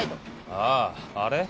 あああれ？